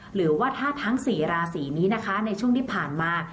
หรือว่าถ้าทั้ง๔ราศีนี้นะคะในช่วงที่ผ่านมา